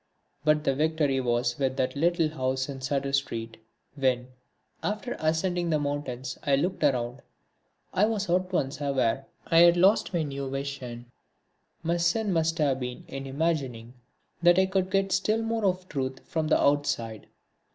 But the victory was with that little house in Sudder Street. When, after ascending the mountains, I looked around, I was at once aware I had lost my new vision. My sin must have been in imagining that I could get still more of truth from the outside.